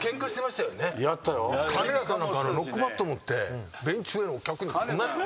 金田さんなんかノックバット持ってベンチ上のお客に。